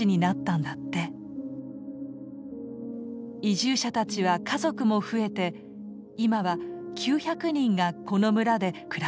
移住者たちは家族も増えて今は９００人がこの村で暮らしている。